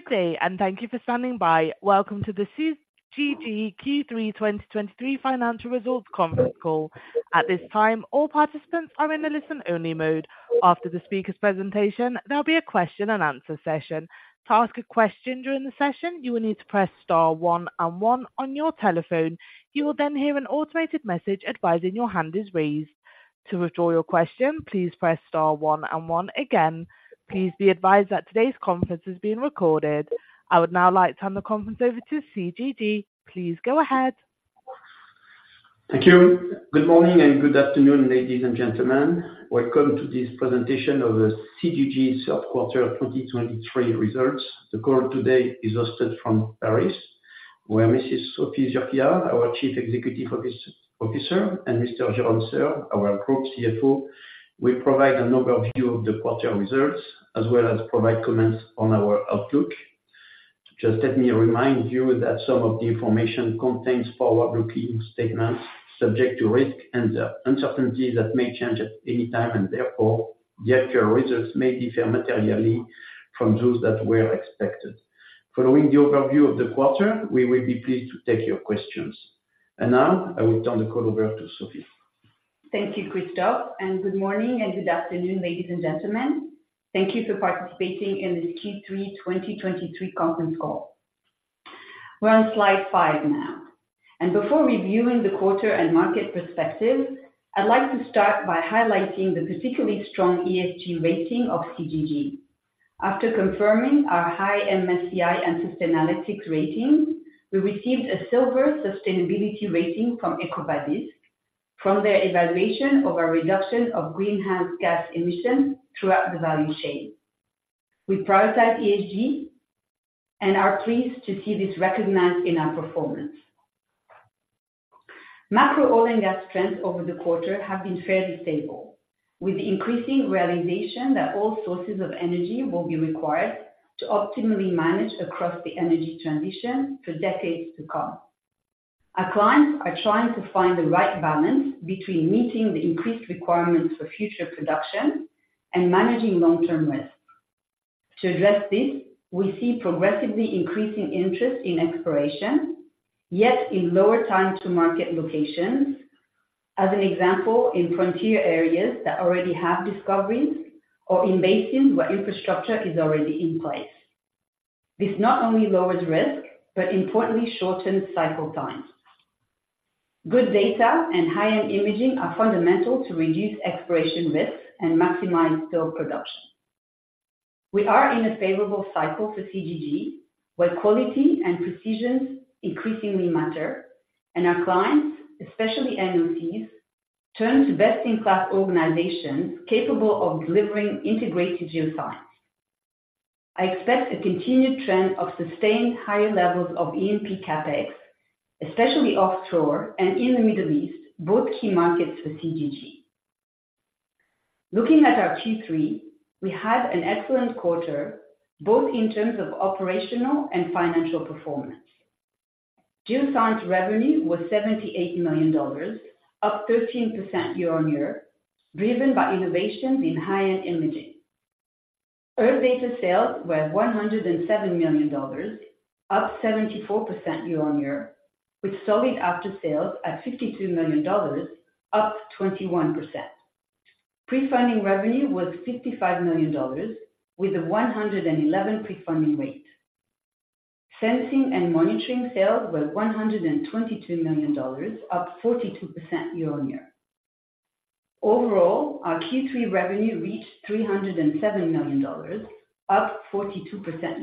Good day, and thank you for standing by. Welcome to the CGG Q3 2023 Financial Results Conference Call. At this time, all participants are in a listen-only mode. After the speaker's presentation, there'll be a question and answer session. To ask a question during the session, you will need to press star one and one on your telephone. You will then hear an automated message advising your hand is raised. To withdraw your question, please press star one and one again. Please be advised that today's conference is being recorded. I would now like to turn the conference over to CGG. Please go ahead. Thank you. Good morning, and good afternoon, ladies and gentlemen. Welcome to this presentation of the CGG third quarter 2023 results. The call today is hosted from Paris, where Mrs. Sophie Zurquiyah, our Chief Executive Officer, and Mr. Jérôme Serve, our Group CFO, will provide an overview of the quarter results, as well as provide comments on our outlook. Just let me remind you that some of the information contains forward-looking statements subject to risk and uncertainty that may change at any time, and therefore, the actual results may differ materially from those that were expected. Following the overview of the quarter, we will be pleased to take your questions. And now, I will turn the call over to Sophie. Thank you, Christophe, and good morning, and good afternoon, ladies and gentlemen. Thank you for participating in this Q3 2023 conference call. We're on slide five now, and before reviewing the quarter and market perspective, I'd like to start by highlighting the particularly strong ESG rating of CGG. After confirming our high MSCI and Sustainalytics ratings, we received a Silver Sustainability rating from EcoVadis from their evaluation of our reduction of greenhouse gas emissions throughout the value chain. We prioritize ESG and are pleased to see this recognized in our performance. Macro oil and gas trends over the quarter have been fairly stable, with the increasing realization that all sources of energy will be required to optimally manage across the energy transition for decades to come. Our clients are trying to find the right balance between meeting the increased requirements for future production and managing long-term risks. To address this, we see progressively increasing interest in exploration, yet in lower time to market locations. As an example, in frontier areas that already have discoveries or in basins where infrastructure is already in place. This not only lowers risk, but importantly, shortens cycle times. Good data and high-end imaging are fundamental to reduce exploration risks and maximize oil production. We are in a favorable cycle for CGG, where quality and precision increasingly matter, and our clients, especially NOCs, turn to best-in-class organizations capable of delivering integrated Geoscience. I expect a continued trend of sustained higher levels of E&P CapEx, especially offshore and in the Middle East, both key markets for CGG. Looking at our Q3, we had an excellent quarter, both in terms of operational and financial performance. Geoscience revenue was $78 million, up 13% year-on-year, driven by innovations in high-end imaging. Earth Data sales were $107 million, up 74% year-on-year, with solid after sales at $52 million, up 21%. Prefunding revenue was $65 million, with a 111% prefunding rate. Sensing & Monitoring sales were $122 million, up 42% year-on-year. Overall, our Q3 revenue reached $307 million, up 42%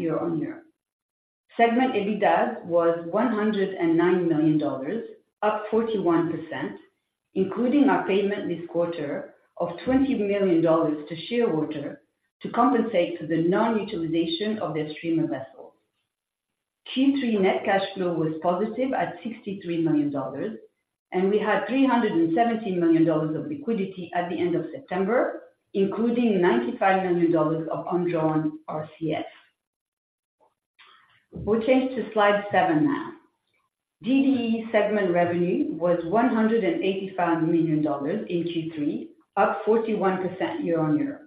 year-on-year. Segment EBITDA was $109 million, up 41%, including our payment this quarter of $20 million to Shearwater to compensate for the non-utilization of their streamer vessels. Q3 net cash flow was positive at $63 million, and we had $317 million of liquidity at the end of September, including $95 million of undrawn RCF. We'll change to slide seven now. DDE segment revenue was $185 million in Q3, up 41% year-on-year,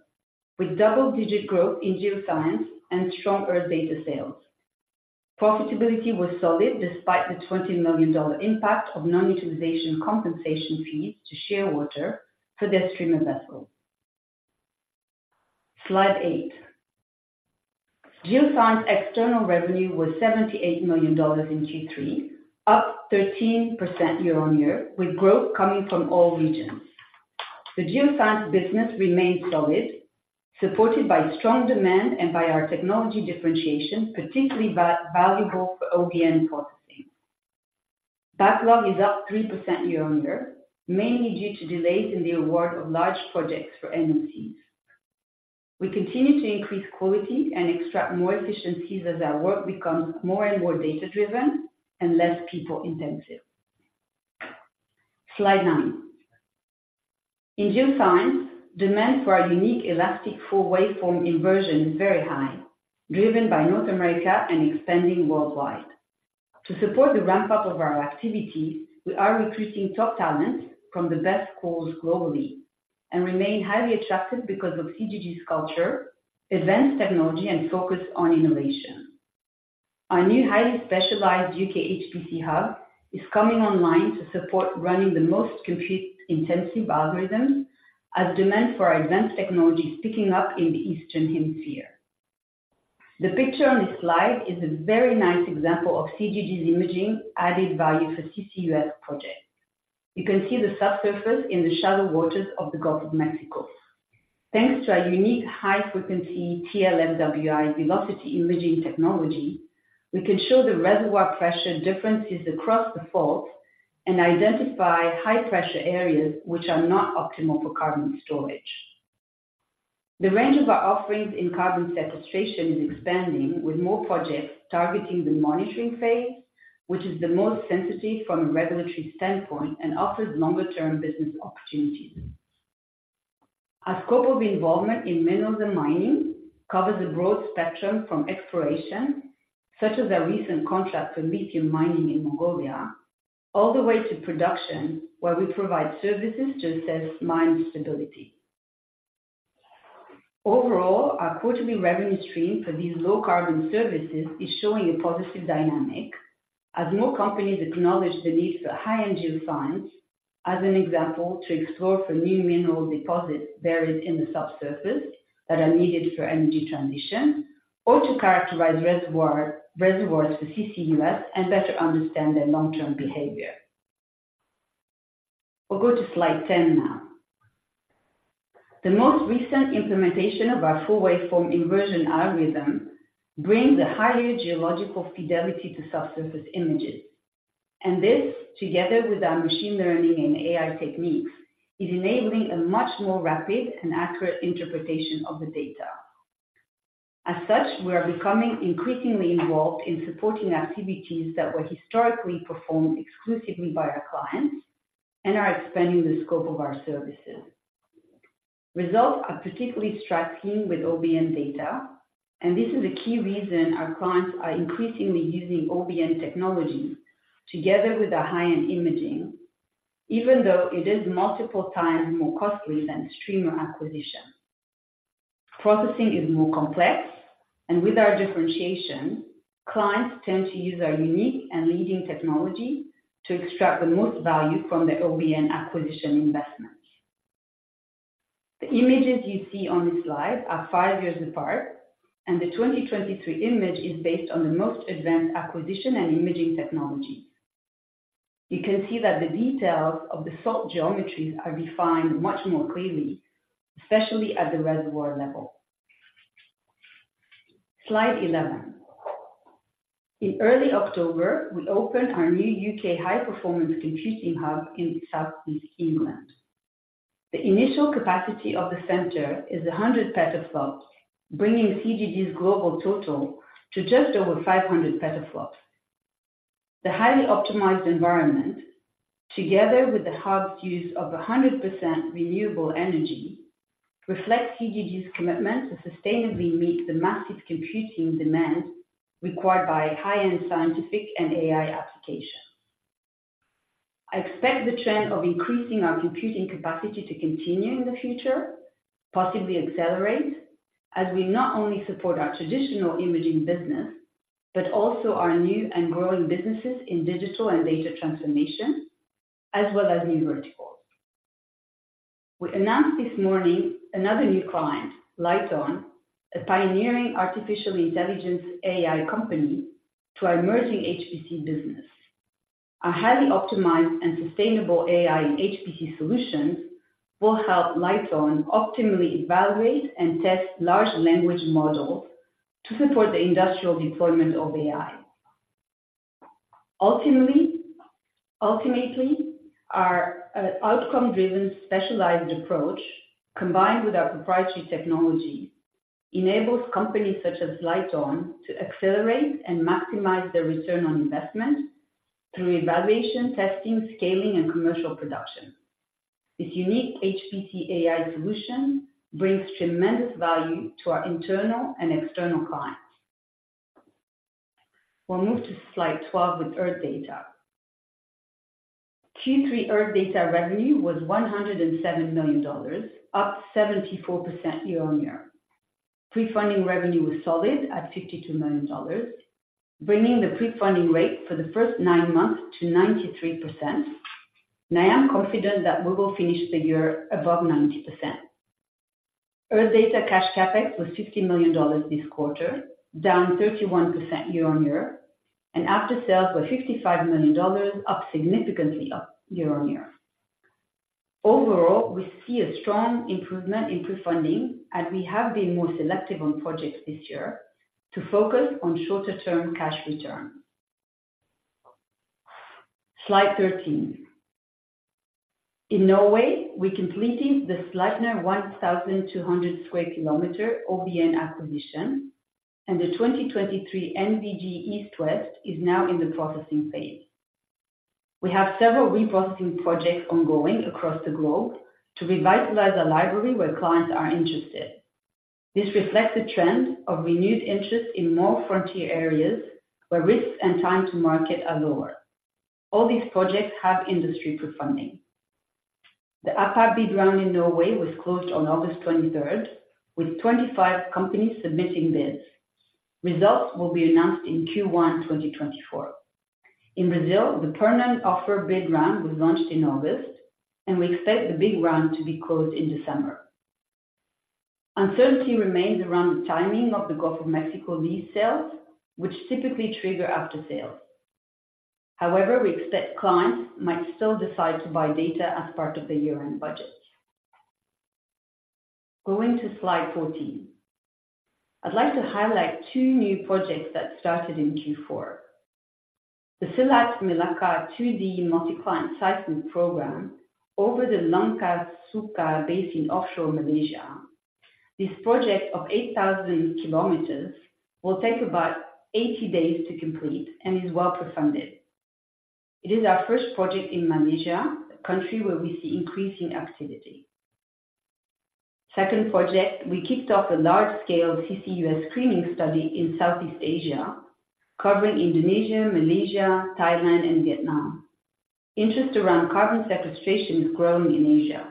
with double-digit growth in Geoscience and strong Earth Data sales. Profitability was solid, despite the $20 million impact of non-utilization compensation fees to Shearwater for their streamer vessel. Slide eight. Geoscience external revenue was $78 million in Q3, up 13% year-on-year, with growth coming from all regions. The Geoscience business remains solid, supported by strong demand and by our technology differentiation, particularly valuable for OBN processing. Backlog is up 3% year-on-year, mainly due to delays in the award of large projects for NOCs. We continue to increase quality and extract more efficiencies as our work becomes more and more data-driven and less people-intensive. Slide nine. In Geoscience, demand for our unique elastic full waveform inversion is very high, driven by North America and expanding worldwide.... To support the ramp up of our activities, we are recruiting top talent from the best schools globally and remain highly attractive because of CGG's culture, advanced technology, and focus on innovation. Our new highly specialized UK HPC Hub is coming online to support running the most compute-intensive algorithms as demand for our advanced technology is picking up in the Eastern Hemisphere. The picture on this slide is a very nice example of CGG's imaging added value for CCUS project. You can see the subsurface in the shallow waters of the Gulf of Mexico. Thanks to our unique high-frequency TLFWI velocity imaging technology, we can show the reservoir pressure differences across the fault and identify high-pressure areas which are not optimal for carbon storage. The range of our offerings in carbon sequestration is expanding, with more projects targeting the monitoring phase, which is the most sensitive from a regulatory standpoint and offers longer-term business opportunities. Our scope of involvement in mineral and mining covers a broad spectrum from exploration, such as our recent contract for lithium mining in Mongolia, all the way to production, where we provide services to assess mine stability. Overall, our quarterly revenue stream for these low carbon services is showing a positive dynamic as more companies acknowledge the need for high-end Geoscience, as an example, to explore for new mineral deposits buried in the subsurface that are needed for energy transition, or to characterize reservoir, reservoirs for CCUS and better understand their long-term behavior. We'll go to slide 10 now. The most recent implementation of our full waveform inversion algorithm brings a higher geological fidelity to subsurface images, and this, together with our machine learning and AI techniques, is enabling a much more rapid and accurate interpretation of the data. As such, we are becoming increasingly involved in supporting activities that were historically performed exclusively by our clients and are expanding the scope of our services. Results are particularly striking with OBN data, and this is a key reason our clients are increasingly using OBN technology together with our high-end imaging, even though it is multiple times more costly than streamer acquisition. Processing is more complex, and with our differentiation, clients tend to use our unique and leading technology to extract the most value from their OBN acquisition investments. The images you see on this slide are five years apart, and the 2023 image is based on the most advanced acquisition and imaging technology. You can see that the details of the salt geometries are refined much more clearly, especially at the reservoir level. Slide 11. In early October, we opened our new UK High Performance Computing Hub in Southeast England. The initial capacity of the center is 100 petaflops, bringing CGG's global total to just over 500 petaflops. The highly optimized environment, together with the hub's use of 100% renewable energy, reflects CGG's commitment to sustainably meet the massive computing demand required by high-end scientific and AI applications. I expect the trend of increasing our computing capacity to continue in the future, possibly accelerate, as we not only support our traditional imaging business, but also our new and growing businesses in digital and data transformation, as well as new verticals. We announced this morning another new client, LightOn, a pioneering artificial intelligence AI company, to our emerging HPC business. Our highly optimized and sustainable AI and HPC solutions will help LightOn optimally evaluate and test large language models to support the industrial deployment of AI. Ultimately, our outcome-driven, specialized approach, combined with our proprietary technology, enables companies such as LightOn to accelerate and maximize their return on investment through evaluation, testing, scaling, and commercial production. This unique HPC AI solution brings tremendous value to our internal and external clients. We'll move to slide 12 with Earth Data. Q3 Earth Data revenue was $107 million, up 74% year-on-year. Prefunding revenue was solid at $52 million, bringing the prefunding rate for the first nine months to 93%, and I am confident that we will finish the year above 90%. Earth Data cash CapEx was $50 million this quarter, down 31% year-on-year, and after sales were $55 million, up significantly, up year-on-year. Overall, we see a strong improvement in prefunding, as we have been more selective on projects this year to focus on shorter-term cash returns. Slide 13. In Norway, we completed the Sleipner 1,200 square kilometer OBN acquisition, and the 2023 NVG East-West is now in the processing phase. We have several reprocessing projects ongoing across the globe to revitalize a library where clients are interested. This reflects the trend of renewed interest in more frontier areas, where risks and time to market are lower. All these projects have industry prefunding. The APA bid round in Norway was closed on August 23rd, with 25 companies submitting bids. Results will be announced in Q1 2024. In Brazil, the permanent offer bid round was launched in August, and we expect the bid round to be closed in December. Uncertainty remains around the timing of the Gulf of Mexico lease sales, which typically trigger after sales. However, we expect clients might still decide to buy data as part of the year-end budget. Going to slide 14. I'd like to highlight two new projects that started in Q4. The Selat Melaka 2D multi-client seismic program over the Langkasuka Basin offshore Malaysia. This project of 8,000 km will take about 80 days to complete and is well prefunded. It is our first project in Malaysia, a country where we see increasing activity. Second project, we kicked off a large-scale CCUS screening study in Southeast Asia, covering Indonesia, Malaysia, Thailand and Vietnam. Interest around carbon sequestration is growing in Asia,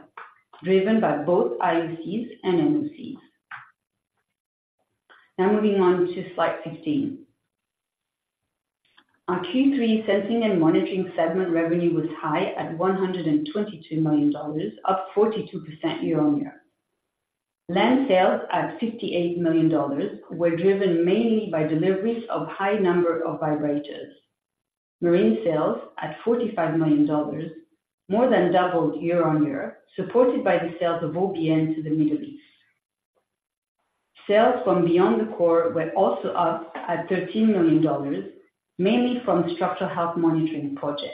driven by both IOCs and NOCs. Now moving on to slide 15. Our Q3 Sensing & Monitoring segment revenue was high at $122 million, up 42% year-on-year. Land sales at $58 million were driven mainly by deliveries of high number of vibrators. Marine sales at $45 million, more than doubled year-on-year, supported by the sales of OBN to the Middle East. Sales from beyond the core were also up at $13 million, mainly from structural health monitoring projects.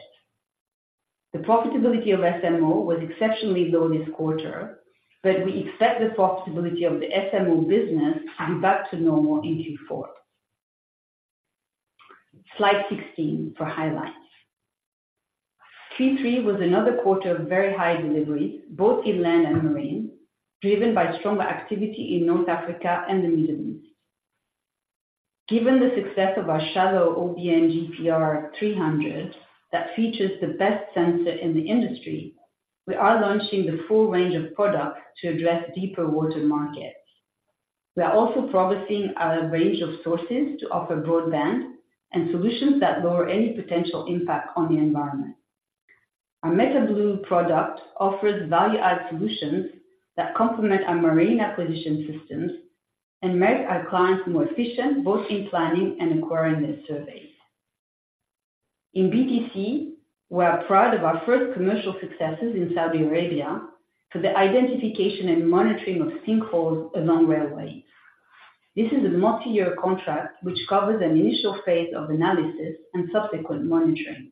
The profitability of SMO was exceptionally low this quarter, but we expect the profitability of the SMO business to be back to normal in Q4. Slide 16 for highlights. Q3 was another quarter of very high deliveries, both in land and marine, driven by stronger activity in North Africa and the Middle East. Given the success of our shallow OBN GPR300, that features the best sensor in the industry, we are launching the full range of products to address deeper water markets. We are also progressing our range of sources to offer broadband and solutions that lower any potential impact on the environment. Our MetaBlue product offers value-added solutions that complement our marine acquisition systems and make our clients more efficient, both in planning and acquiring their surveys. In BTC, we are proud of our first commercial successes in Saudi Arabia for the identification and monitoring of sinkholes along railways. This is a multi-year contract, which covers an initial phase of analysis and subsequent monitoring.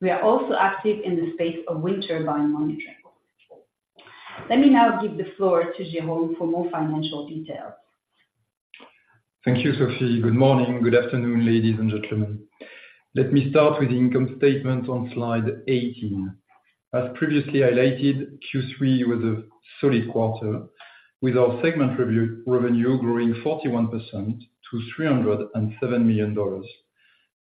We are also active in the space of wind turbine monitoring. Let me now give the floor to Jérôme for more financial details. Thank you, Sophie. Good morning. Good afternoon, ladies and gentlemen. Let me start with the income statement on slide 18. As previously highlighted, Q3 was a solid quarter, with our segment revenue growing 41% to $307 million,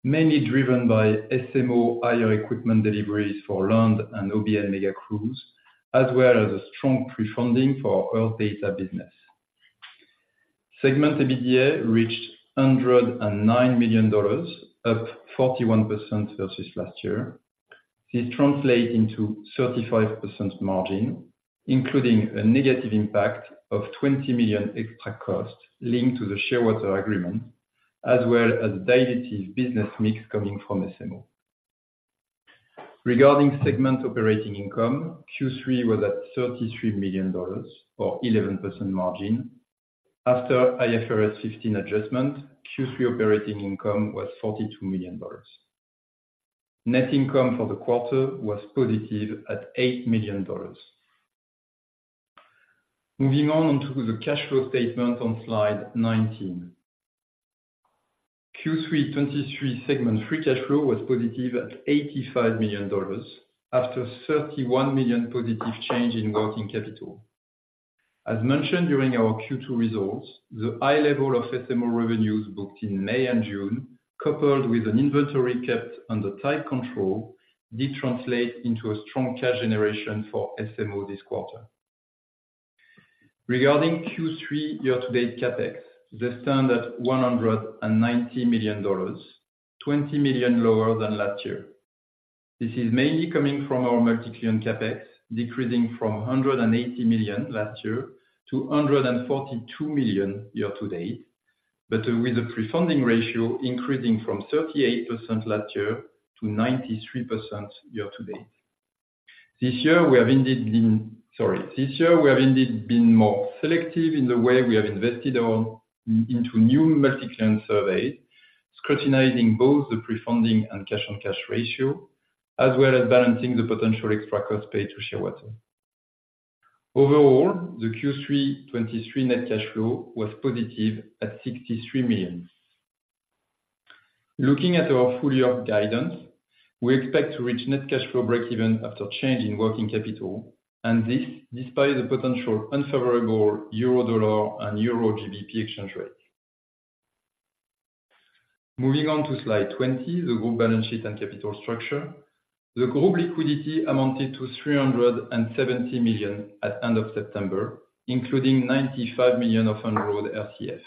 mainly driven by SMO IR equipment deliveries for land and OBN mega crews, as well as a strong prefunding for our oil data business. Segment EBITDA reached $109 million, up 41% versus last year. This translates into 35% margin, including a negative impact of $20 million extra costs linked to the Shearwater agreement, as well as dilutive business mix coming from SMO. Regarding segment operating income, Q3 was at $33 million or 11% margin. After IFRS 15 adjustment, Q3 operating income was $42 million. Net income for the quarter was positive at $8 million. Moving on to the cash flow statement on slide 19. Q3 2023 segment free cash flow was positive at $85 million, after $31 million positive change in working capital. As mentioned during our Q2 2023 results, the high level of SMO revenues booked in May and June, coupled with an inventory kept under tight control, did translate into a strong cash generation for SMO this quarter. Regarding Q3 year-to-date CapEx, they stand at $190 million, $20 million lower than last year. This is mainly coming from our multi-client CapEx, decreasing from $180 million last year to $142 million year-to-date, but with a prefunding ratio increasing from 38% last year to 93% year-to-date. This year, we have indeed been more selective in the way we have invested into new multi-client surveys, scrutinizing both the prefunding and cash-on-cash ratio, as well as balancing the potential extra cost paid to Shearwater. Overall, the Q3 2023 net cash flow was positive at $63 million. Looking at our full year guidance, we expect to reach net cash flow breakeven after change in working capital, and this despite the potential unfavorable euro dollar and euro GBP exchange rate. Moving on to slide 20, the group balance sheet and capital structure. The group liquidity amounted to $370 million at end of September, including $95 million of undrawn RCF.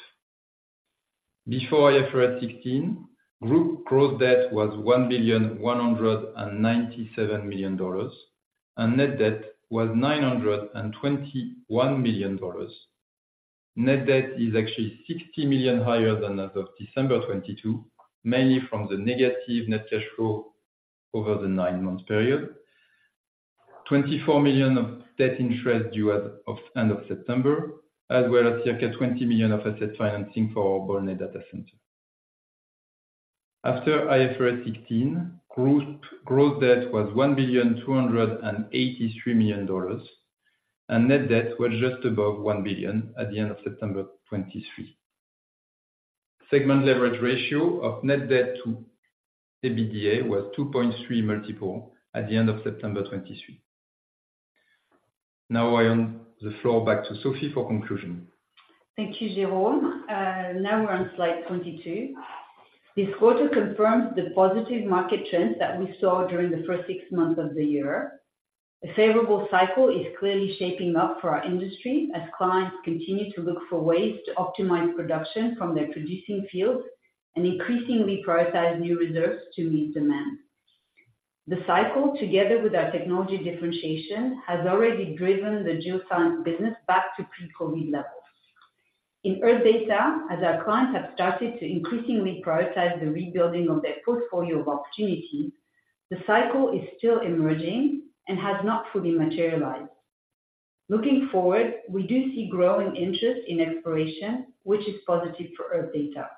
Before IFRS 16, group gross debt was $1.197 million, and net debt was $921 million. Net debt is actually $60 million higher than as of December 2022, mainly from the negative net cash flow over the nine-month period. $24 million of debt interest due as of end of September, as well as circa $20 million of asset financing for [Bonnet] data center. After IFRS 16, group gross debt was $1,283 million, and net debt was just above $1 billion at the end of September 2023. Segment leverage ratio of net debt to EBITDA was 2.3x at the end of September 2023. Now I hand the floor back to Sophie for conclusion. Thank you, Jérôme. Now we're on slide 22. This quarter confirms the positive market trends that we saw during the first six months of the year. A favorable cycle is clearly shaping up for our industry, as clients continue to look for ways to optimize production from their producing fields and increasingly prioritize new reserves to meet demand. The cycle, together with our technology differentiation, has already driven the Geoscience business back to pre-COVID levels. In Earth Data, as our clients have started to increasingly prioritize the rebuilding of their portfolio of opportunity, the cycle is still emerging and has not fully materialized. Looking forward, we do see growing interest in exploration, which is positive for Earth Data.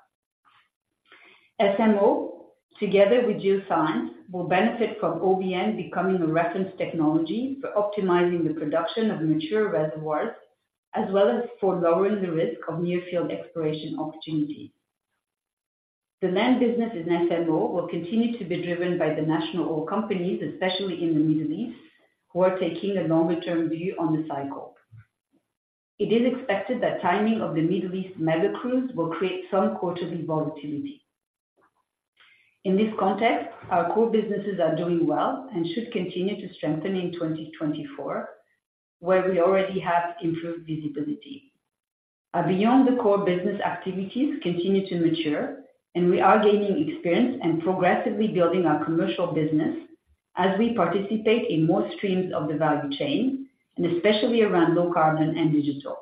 SMO, together with Geoscience, will benefit from OBN becoming a reference technology for optimizing the production of mature reservoirs, as well as for lowering the risk of near field exploration opportunity. The land business in SMO will continue to be driven by the national oil companies, especially in the Middle East, who are taking a longer term view on the cycle. It is expected that timing of the Middle East mega crews will create some quarterly volatility. In this context, our core businesses are doing well and should continue to strengthen in 2024, where we already have improved visibility. Our beyond the core business activities continue to mature, and we are gaining experience and progressively building our commercial business as we participate in more streams of the value chain, and especially around low carbon and digital.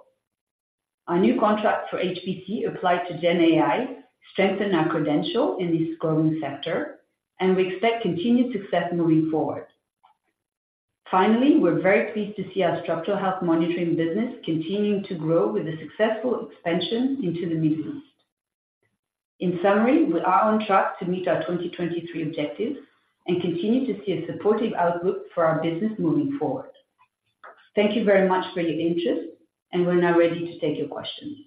Our new contract for HPC applied to GenAI strengthen our credential in this growing sector, and we expect continued success moving forward. Finally, we're very pleased to see our structural health monitoring business continuing to grow with a successful expansion into the Middle East. In summary, we are on track to meet our 2023 objectives and continue to see a supportive outlook for our business moving forward. Thank you very much for your interest, and we're now ready to take your questions.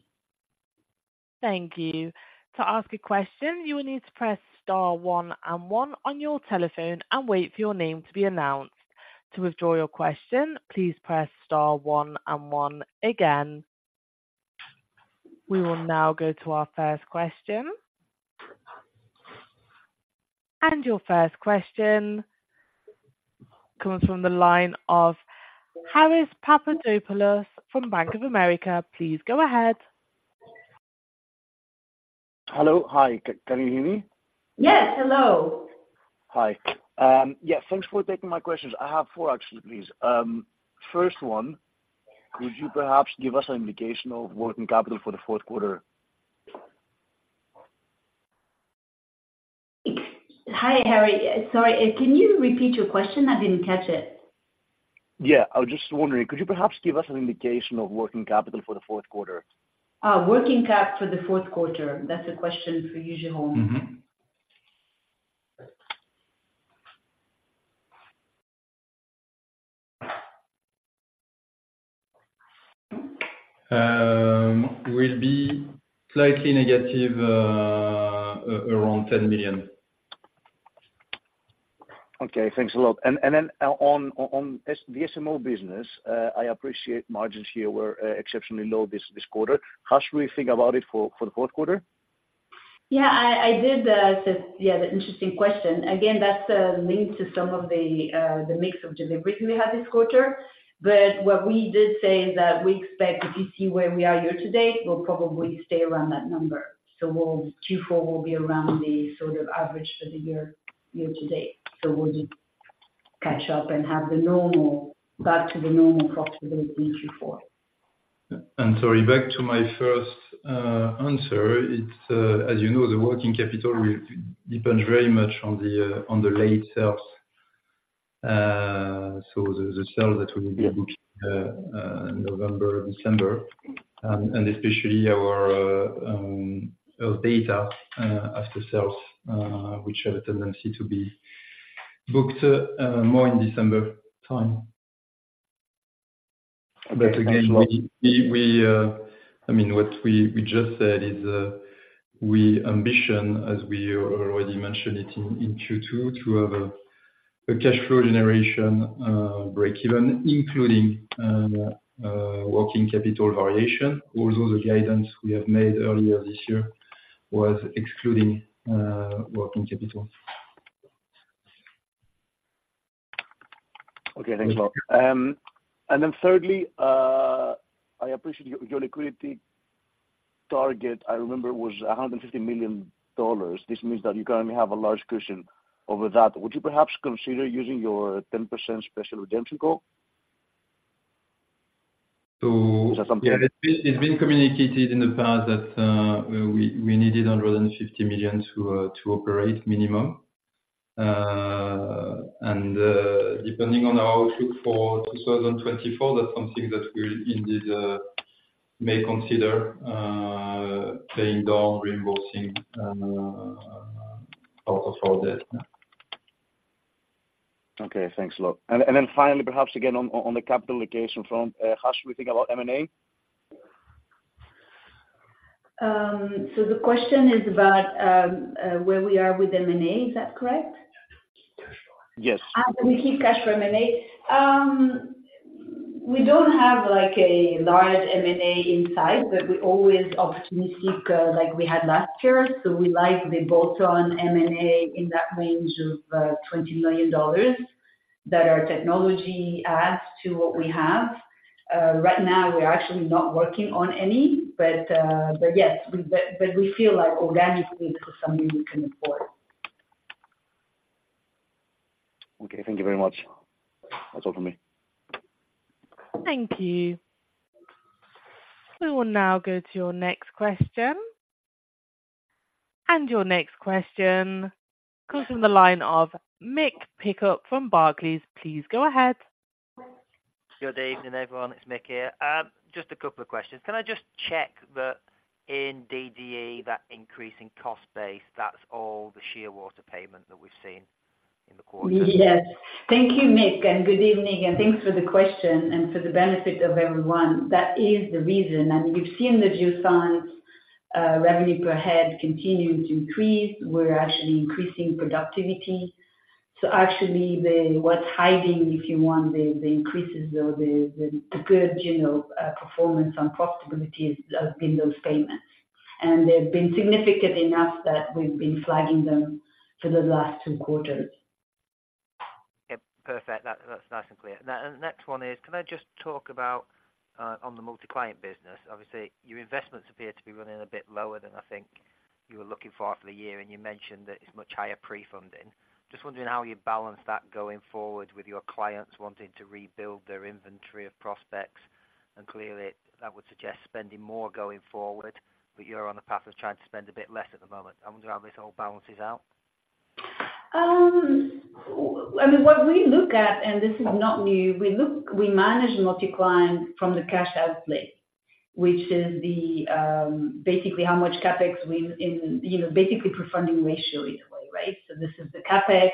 Thank you. To ask a question, you will need to press star one and one on your telephone and wait for your name to be announced. To withdraw your question, please press star one and one again. We will now go to our first question. Your first question comes from the line of Haris Papadopoulos from Bank of America. Please go ahead. Hello. Hi, can you hear me? Yes. Hello. Hi. Yeah, thanks for taking my questions. I have four actually, please. First one, could you perhaps give us an indication of working capital for the fourth quarter? Hi, Haris. Sorry, can you repeat your question? I didn't catch it. Yeah, I was just wondering, could you perhaps give us an indication of working capital for the fourth quarter? Working cap for the fourth quarter. That's a question for you, Jérôme. will be slightly negative, around $10 million. Okay, thanks a lot. And then on the SMO business, I appreciate margins here were exceptionally low this quarter. How should we think about it for the fourth quarter? Yeah, I did, yeah, the interesting question. Again, that's linked to some of the mix of deliveries we have this quarter. But what we did say is that we expect if you see where we are year to date, we'll probably stay around that number. So we'll, Q4 will be around the sort of average for the year, year to date. So we'll catch up and have the normal back to the normal profitability in Q4. Sorry, back to my first answer. It's, as you know, the working capital will depends very much on the late sales. So the sales that will be booked November, December, and especially our data after sales, which have a tendency to be booked more in December time. But again, we, I mean, what we just said is, we ambition, as we already mentioned it in Q2, to have a cash flow generation breakeven, including working capital variation. Although the guidance we have made earlier this year was excluding working capital. Okay, thanks a lot. And then thirdly, I appreciate your liquidity target, I remember, was $150 million. This means that you currently have a large cushion over that. Would you perhaps consider using your 10% special redemption goal? So- Is that something- Yeah, it's been, it's been communicated in the past that we needed under $150 million to operate minimum. Depending on our outlook for 2024, that's something that we indeed may consider paying down, reimbursing out of all debt. Okay, thanks a lot. And then finally, perhaps again, on the capital allocation front, how should we think about M&A? The question is about where we are with M&A. Is that correct? Yes. We keep cash for M&A. We don't have like a large M&A insight, but we always optimistic, like we had last year. So we like the bolt-on M&A in that range of $20 million, that our technology adds to what we have. Right now, we're actually not working on any, but yes, but we feel like organically this is something we can afford. Okay, thank you very much. That's all for me. Thank you. We will now go to your next question. Your next question comes from the line of Mick Pickup from Barclays. Please go ahead. Good evening, everyone. It's Mick here. Just a couple of questions. Can I just check that in DDE, that increase in cost base, that's all the Shearwater payment that we've seen in the quarter? Yes. Thank you, Mick, and good evening, and thanks for the question. For the benefit of everyone, that is the reason. We've seen the Geoscience revenue per head continue to increase. We're actually increasing productivity. So actually, what's hiding, if you want, the increases or the good, you know, performance and profitability has been those payments. They've been significant enough that we've been flagging them for the last two quarters. Yep, perfect. That's, that's nice and clear. Now, and the next one is, can I just talk about on the multi-client business. Obviously, your investments appear to be running a bit lower than I think you were looking for for the year, and you mentioned that it's much higher pre-funding. Just wondering how you balance that going forward with your clients wanting to rebuild their inventory of prospects, and clearly, that would suggest spending more going forward, but you're on the path of trying to spend a bit less at the moment. I'm wondering how this all balances out. I mean, what we look at, and this is not new, we look, we manage multi-client from the cash-out play, which is basically how much CapEx. You know, basically pre-funding ratio either way, right? So this is the CapEx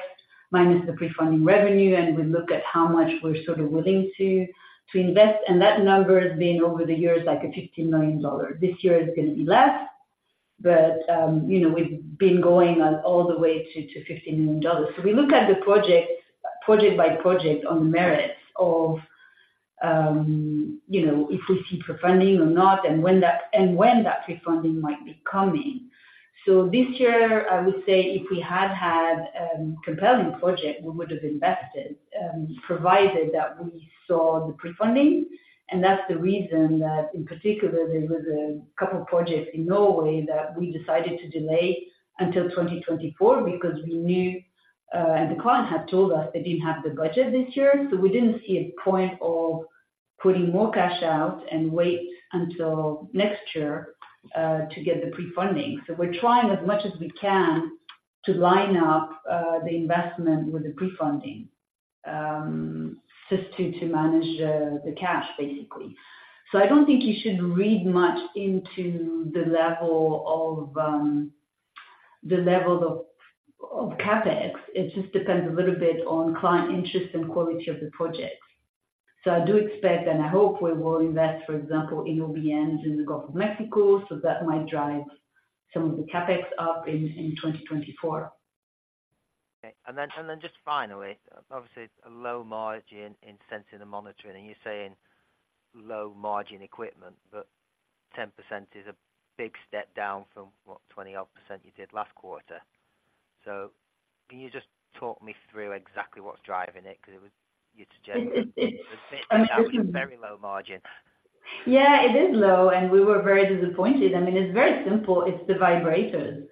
minus the pre-funding revenue, and we look at how much we're sort of willing to invest, and that number has been over the years, like $15 million. This year, it's going to be less, but, you know, we've been going on all the way to $15 million. So we look at the project, project by project on the merits of, you know, if we see pre-funding or not, and when that pre-funding might be coming. So this year, I would say if we had had compelling project, we would have invested, provided that we saw the pre-funding. And that's the reason that in particular, there was a couple projects in Norway that we decided to delay until 2024 because we knew, and the client had told us they didn't have the budget this year. So we didn't see a point of putting more cash out and wait until next year to get the pre-funding. So we're trying as much as we can to line up the investment with the pre-funding just to manage the cash, basically. So I don't think you should read much into the level of the levels of CapEx. It just depends a little bit on client interest and quality of the project. I do expect, and I hope we will invest, for example, in OBN in the Gulf of Mexico, so that might drive some of the CapEx up in 2024. Okay. And then, and then just finally, obviously, a low margin in Sensing & Monitoring, and you're saying low margin equipment, but 10% is a big step down from what, 20-odd% you did last quarter. So can you just talk me through exactly what's driving it? Because it was you to generate- It, it, it- That was a very low margin. Yeah, it is low, and we were very disappointed. I mean, it's very simple. It's the vibrators.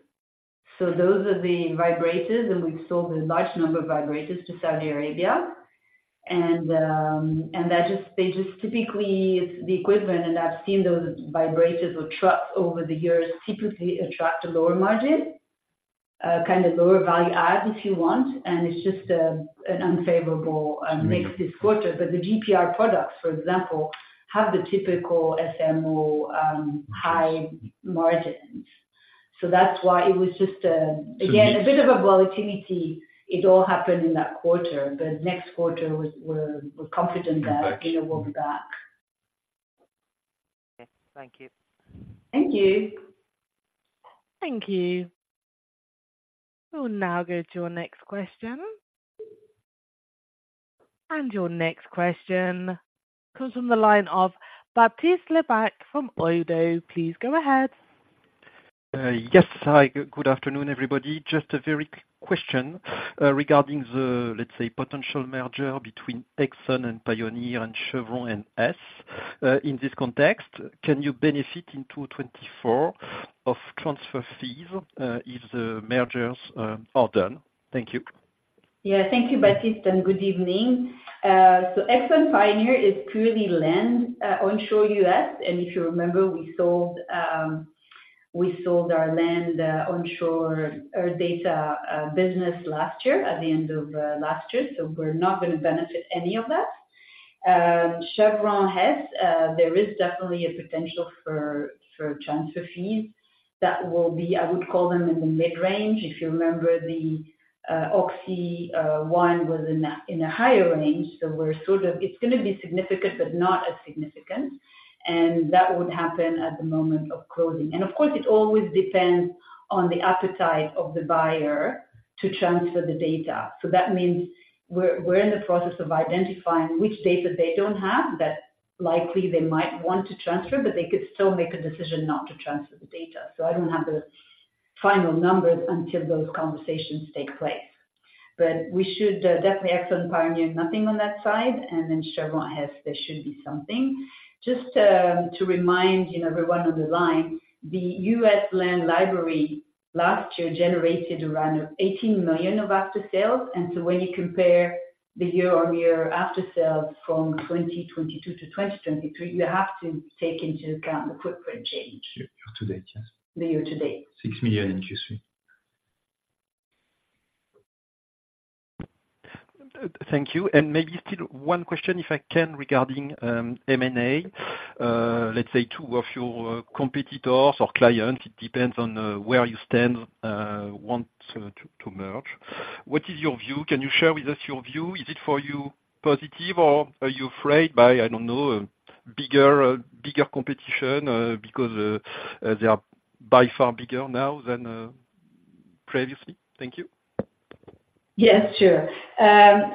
So those are the vibrators, and we've sold a large number of vibrators to Saudi Arabia. And, and that just—they just typically, it's the equipment, and I've seen those vibrators or trucks over the years typically attract a lower margin, kind of lower value add, if you want, and it's just, an unfavorable, mix this quarter. But the GPR products, for example, have the typical SMO, high margins.... So that's why it was just, again, a bit of a volatility. It all happened in that quarter, but next quarter we're confident that, you know, we'll be back. Thank you. Thank you. Thank you. We'll now go to our next question. Your next question comes from the line of Baptiste Lebacq from Oddo. Please go ahead. Yes. Hi, good afternoon, everybody. Just a very quick question regarding the, let's say, potential merger between Exxon and Pioneer and Chevron and Hess. In this context, can you benefit in 2024 of transfer fees, if the mergers are done? Thank you. Yeah, thank you, Baptiste, and good evening. So Exxon / Pioneer is purely land, onshore U.S., and if you remember, we sold, we sold our land, onshore, data, business last year, at the end of, last year, so we're not going to benefit any of that. Chevron Hess, there is definitely a potential for, for transfer fees. That will be... I would call them in the mid-range. If you remember, the Oxy one was in a, in a higher range, so we're sort of—it's gonna be significant, but not as significant. And that would happen at the moment of closing. And of course, it always depends on the appetite of the buyer to transfer the data. So that means we're, we're in the process of identifying which data they don't have, that likely they might want to transfer, but they could still make a decision not to transfer the data. So I don't have the final numbers until those conversations take place. But we should definitely Exxon Pioneer, nothing on that side, and then Chevron Hess, there should be something. Just to remind, you know, everyone on the line, the U.S. land library last year generated around $18 million of after sales, and so when you compare the year-on-year after sales from 2022 to 2023, you have to take into account the footprint change. Year-to-date, yes? The year-to-date. $6 million in Q3. Thank you. Maybe still one question, if I can, regarding M&A. Let's say two of your competitors or clients, it depends on where you stand, want to merge. What is your view? Can you share with us your view? Is it for you positive, or are you afraid by, I don't know, a bigger, bigger competition, because they are by far bigger now than previously? Thank you. Yes, sure.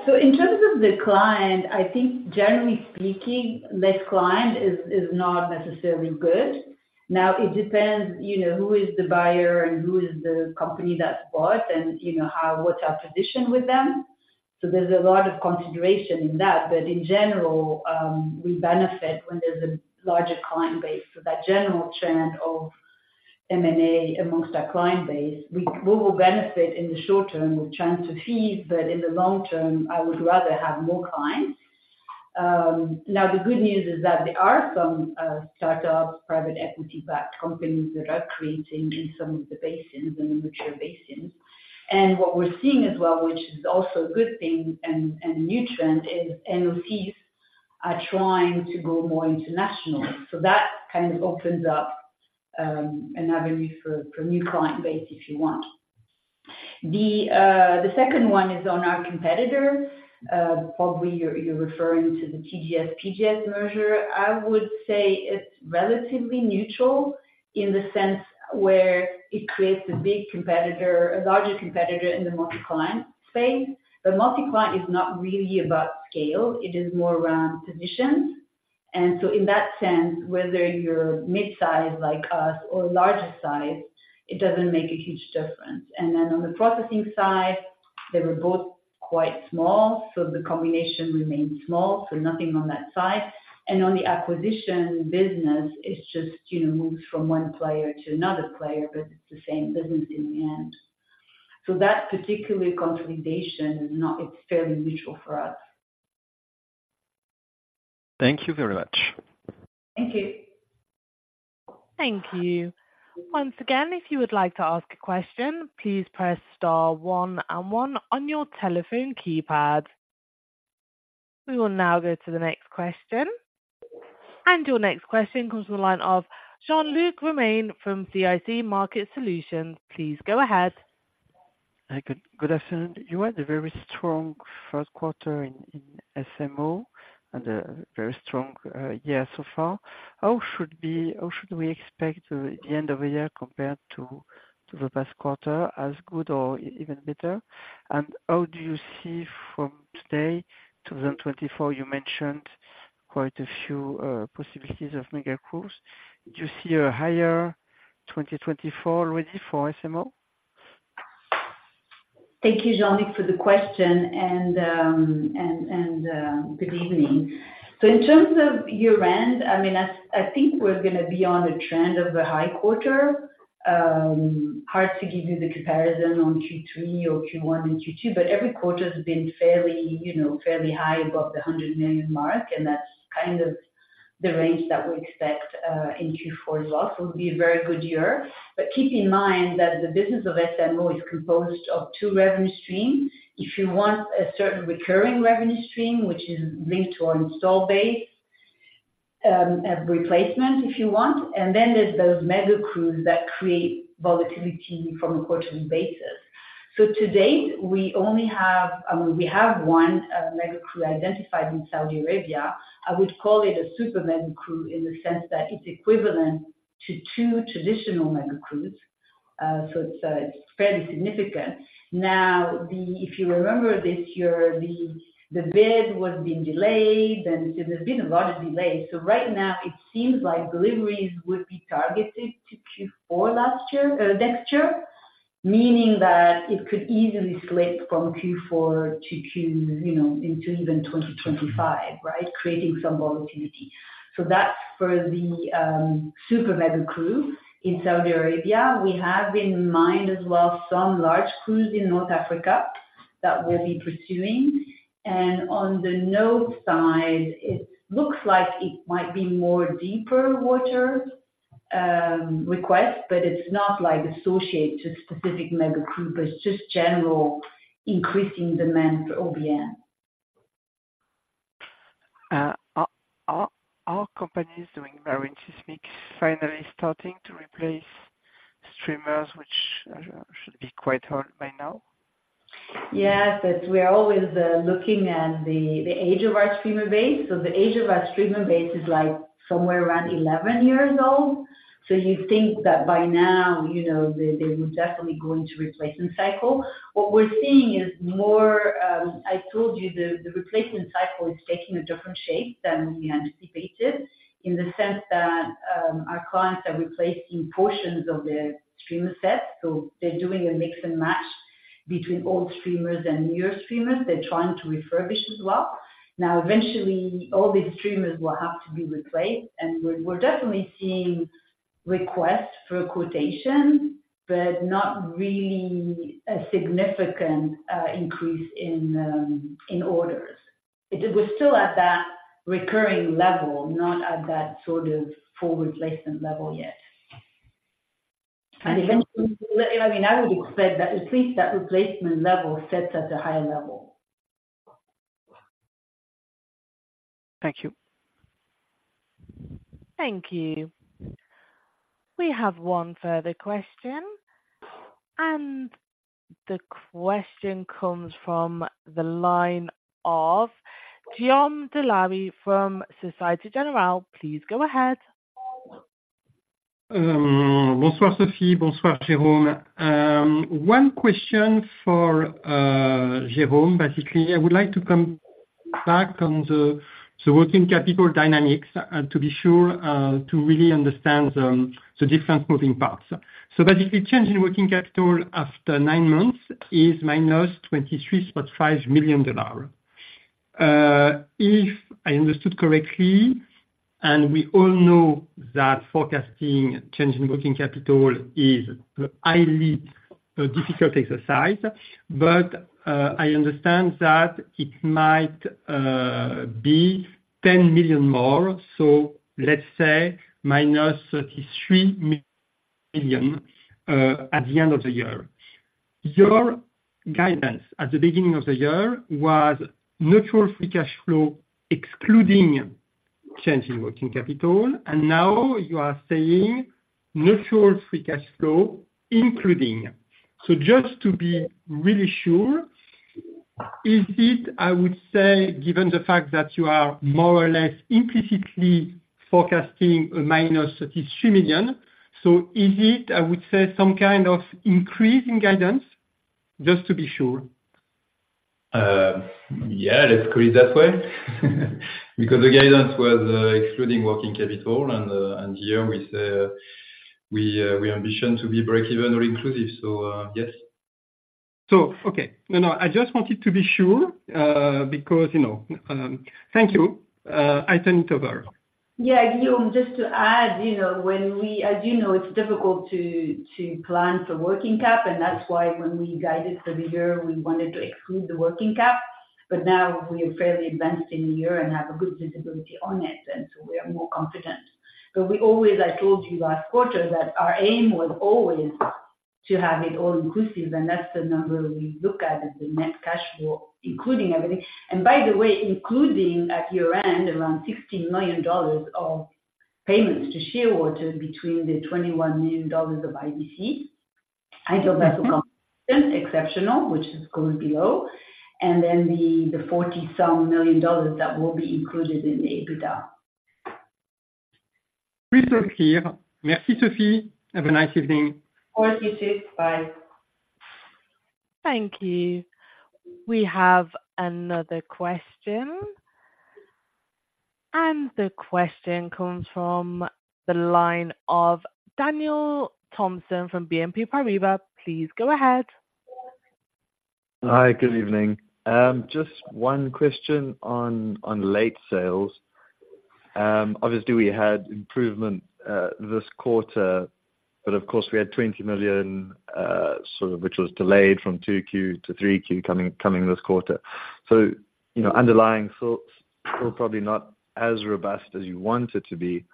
So in terms of the client, I think generally speaking, less client is not necessarily good. Now, it depends, you know, who is the buyer and who is the company that bought, and you know, how, what's our position with them. So there's a lot of consideration in that, but in general, we benefit when there's a larger client base. So that general trend of M&A amongst our client base, we will benefit in the short term with transfer fees, but in the long term, I would rather have more clients. Now, the good news is that there are some start-ups, private equity-backed companies that are creating in some of the basins, in the mature basins. And what we're seeing as well, which is also a good thing and a new trend, is NOCs are trying to go more international. So that kind of opens up an avenue for a new client base, if you want. The second one is on our competitor. Probably you're referring to the TGS, PGS merger. I would say it's relatively neutral in the sense where it creates a big competitor, a larger competitor in the multi-client space. But multi-client is not really about scale, it is more around positions. And so in that sense, whether you're mid-size, like us, or larger size, it doesn't make a huge difference. And then on the processing side, they were both quite small, so the combination remains small, so nothing on that side. And on the acquisition business, it's just, you know, moves from one player to another player, but it's the same business in the end. So that particular consolidation is not. It's fairly mutual for us. Thank you very much. Thank you. Thank you. Once again, if you would like to ask a question, please press star one and one on your telephone keypad. We will now go to the next question. Your next question comes from the line of Jean-Luc Romain from CIC Market Solutions. Please go ahead. Good afternoon. You had a very strong first quarter in SMO and a very strong year so far. How should we expect the end of the year compared to the past quarter, as good or even better? And how do you see from today, 2024, you mentioned quite a few possibilities of mega crews. Do you see a higher 2024 already for SMO? Thank you, Jean-Luc, for the question, and good evening. So in terms of year end, I mean, I think we're gonna be on a trend of a high quarter. Hard to give you the comparison on Q3 or Q1 and Q2, but every quarter has been fairly, you know, fairly high above the $100 million mark, and that's kind of the range that we expect in Q4 as well. So it will be a very good year. But keep in mind that the business of SMO is composed of two revenue streams. If you want a certain recurring revenue stream, which is linked to our install base, a replacement, if you want, and then there's those mega crews that create volatility from a quarterly basis. So to date, we only have one mega crew identified in Saudi Arabia. I would call it a super mega crew in the sense that it's equivalent to two traditional mega crews. So it's, it's fairly significant. Now, the—if you remember this year, the bid was being delayed, and there's been a lot of delays. So right now it seems like deliveries would be targeted to Q4 last year, next year, meaning that it could easily slip from Q4 to Q, you know, into even 2025, right? Creating some volatility. So that's for the super mega crew in Saudi Arabia. We have in mind as well, some large crews in North Africa that we'll be pursuing. On the node side, it looks like it might be more deeper water requests, but it's not like associated to a specific mega crew, but it's just general increasing demand for OBN. Are companies doing marine seismic finally starting to replace streamers, which should be quite old by now? Yes, but we are always looking at the age of our streamer base. So the age of our streamer base is like somewhere around 11 years old. So you think that by now, you know, they would definitely go into replacement cycle. What we're seeing is more... I told you, the replacement cycle is taking a different shape than we anticipated, in the sense that, our clients are replacing portions of their streamer set. So they're doing a mix and match between old streamers and newer streamers. They're trying to refurbish as well. Now, eventually, all these streamers will have to be replaced, and we're definitely seeing requests for quotation, but not really a significant increase in orders. We're still at that recurring level, not at that sort of full replacement level yet. Eventually, I mean, I would expect that at least that replacement level sets at a higher level. Thank you. Thank you. We have one further question, and the question comes from the line of Guillaume Delaby from Société Générale. Please go ahead. Bonsoir, Sophie. Bonsoir, Jérôme. One question for Jérôme. Basically, I would like to come back on the working capital dynamics to be sure to really understand the different moving parts. So basically, change in working capital after nine months is -$23.5 million. If I understood correctly, and we all know that forecasting change in working capital is highly a difficult exercise, but I understand that it might be $10 million more, so let's say -$33 million at the end of the year. Your guidance at the beginning of the year was neutral free cash flow, excluding change in working capital, and now you are saying neutral free cash flow, including. Just to be really sure, is it, I would say, given the fact that you are more or less implicitly forecasting -$33 million, so is it, I would say, some kind of increase in guidance? Just to be sure. Yeah, let's put it that way. Because the guidance was excluding working capital and here with we ambition to be breakeven or inclusive, so yes. So, okay. No, no, I just wanted to be sure, because, you know. Thank you. I turn it over. Yeah, Guillaume, just to add, you know, when we—as you know, it's difficult to plan for working cap, and that's why when we guided for the year, we wanted to exclude the working cap. But now we are fairly advanced in the year and have a good visibility on it, and so we are more confident. But we always, I told you last quarter, that our aim was always to have it all inclusive, and that's the number we look at, is the net cash flow, including everything. And by the way, including at year-end, around $16 million of payments to Shearwater between the $21 million of IDC, and exceptional, which has gone below, and then the $40-some million that will be included in the EBITDA. We stop here. Merci, Sophie. Have a nice evening. Of course, Guillaume. Bye. Thank you. We have another question, and the question comes from the line of Daniel Thomson from BNP Paribas. Please go ahead. Hi, good evening. Just one question on late sales. Obviously we had improvement this quarter, but of course we had $20 million, sort of, which was delayed from 2Q to 3Q coming this quarter. So, you know, underlying sales are probably not as robust as you want it to be....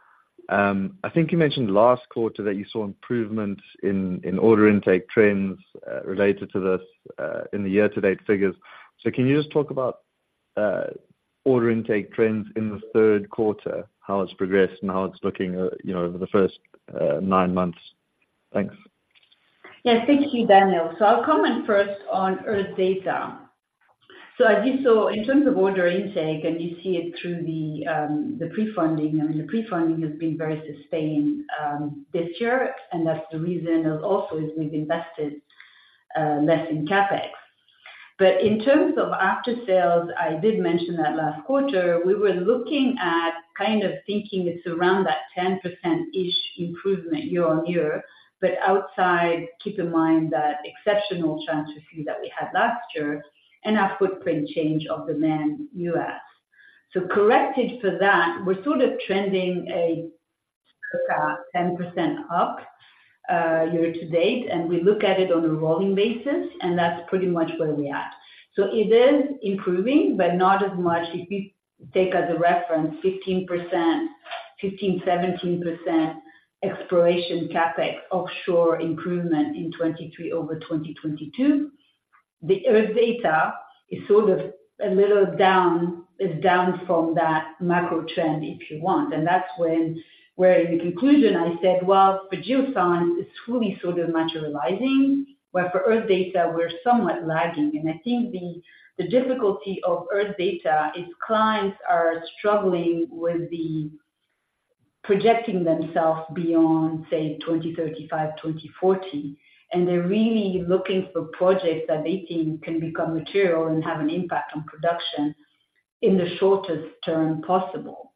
I think you mentioned last quarter that you saw improvements in order intake trends related to this in the year-to-date figures. So can you just talk about order intake trends in the third quarter, how it's progressed and how it's looking, you know, over the first nine months? Thanks. Yes, thank you, Daniel. So I'll comment first on Earth Data. So as you saw, in terms of order intake, and you see it through the pre-funding, I mean, the pre-funding has been very sustained this year, and that's the reason of also is we've invested less in CapEx. But in terms of after sales, I did mention that last quarter, we were looking at kind of thinking it's around that 10%-ish improvement year-on-year, but outside, keep in mind that exceptional transfer fee that we had last year and our footprint change in the U.S. So corrected for that, we're sort of trending a 10% up year to date, and we look at it on a rolling basis, and that's pretty much where we at. So it is improving, but not as much. If you take as a reference 15%, 15%-17% exploration CapEx offshore improvement in 2023 over 2022, the Earth Data is sort of a little down, is down from that macro trend, if you want. And that's when, where in the conclusion, I said, well, for Geoscience, it's truly sort of materializing, where for Earth Data, we're somewhat lagging. And I think the, the difficulty of Earth Data is clients are struggling with the projecting themselves beyond, say, 2035, 2040, and they're really looking for projects that they think can become material and have an impact on production in the shortest term possible.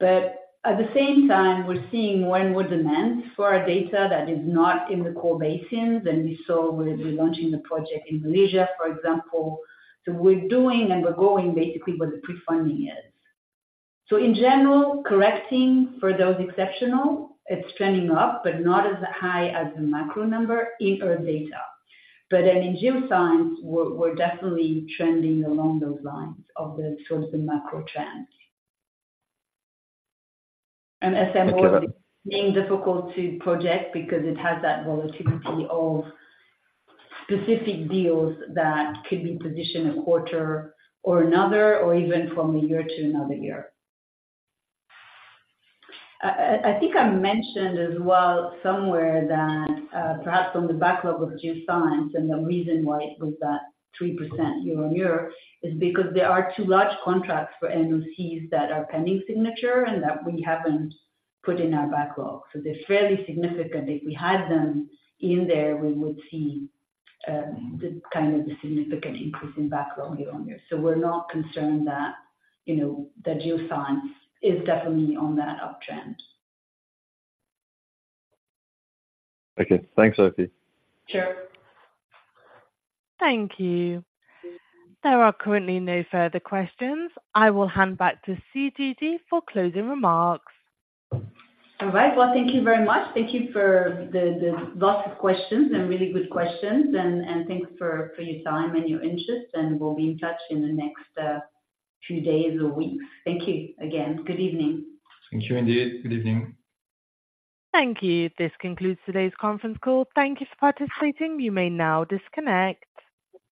But at the same time, we're seeing when would demand for our data that is not in the core basins, and we saw with we're launching the project in Malaysia, for example. So we're doing and we're growing, basically, where the pre-funding is. So in general, correcting for those exceptional, it's trending up, but not as high as the macro number in Earth Data. But then in Geoscience, we're definitely trending along those lines of the sort of the macro trends. And as I was being difficult to project because it has that volatility of specific deals that could be positioned a quarter or another, or even from a year to another year. I think I mentioned as well somewhere that, perhaps from the backlog of Geoscience and the reason why it was that 3% year-on-year, is because there are two large contracts for NOCs that are pending signature and that we haven't put in our backlog. So they're fairly significant. If we had them in there, we would see the kind of the significant increase in backlog year-over-year. So we're not concerned that, you know, the Geoscience is definitely on that uptrend. Okay. Thanks, Sophie. Sure. Thank you. There are currently no further questions. I will hand back to CGG for closing remarks. All right. Well, thank you very much. Thank you for the lots of questions and really good questions, and thanks for your time and your interest, and we'll be in touch in the next few days or weeks. Thank you again. Good evening. Thank you, indeed. Good evening. Thank you. This concludes today's conference call. Thank you for participating. You may now disconnect.